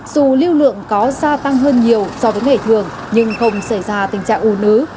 dù lưu lượng có gia tăng hơn nhiều so với ngày thường nhưng không xảy ra tình trạng ủ nứ